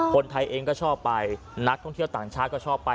คนไทยเองก็ชอบไปนักท่องเที่ยวต่างชาติก็ชอบไป